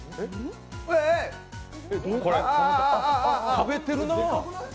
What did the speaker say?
食べてるなぁ。